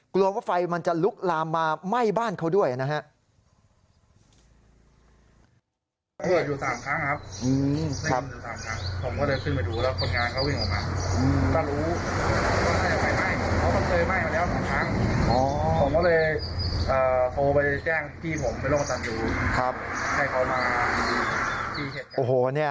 กลัวว่าไฟมันจะลุกลามมาไหม้บ้านเขาด้วยนะฮะ